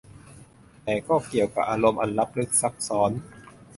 แต่ก็เกี่ยวกับอารมณ์อันล้ำลึกซับซ้อน